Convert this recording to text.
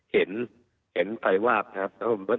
เห็นไฟวาบนะครับ